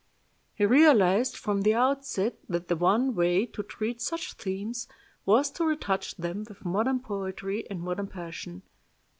He realized from the outset that the one way to treat such themes was to retouch them with modern poetry and modern passion.